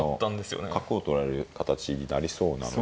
何か本譜の角を取られる形になりそうなので。